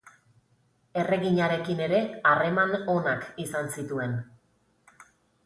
Erreginarekin ere harreman onak izan zituen.